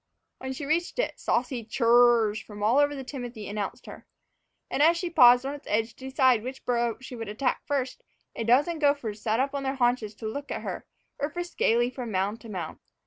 When she reached it, saucy chur r rs from all over the timothy announced her. And as she paused on its edge to decide which burrow she would attack first, a dozen gophers sat up on their haunches to look at her, or frisked gaily from mound to mound.